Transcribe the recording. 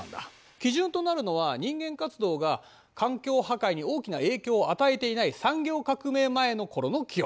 基準となるのは人間活動が環境破壊に大きな影響を与えていない産業革命前の頃の気温。